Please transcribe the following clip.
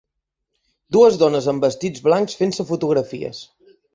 Dues dones amb vestits blancs fent-se fotografies